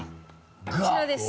こちらです。